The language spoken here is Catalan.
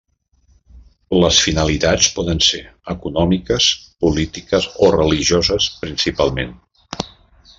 Les finalitats poden ser econòmiques, polítiques o religioses principalment.